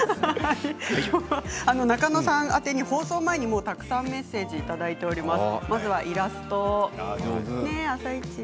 きょうは仲野さんにすでに放送を前に、たくさんメッセージをいただいています。